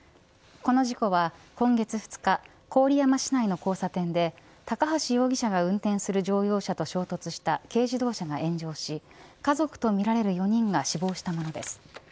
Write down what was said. この事故は今月２日郡山市内の交差点で高橋容疑者が運転する乗用車と衝突した軽自動車が炎上し家族とみられる４人が死亡したものです。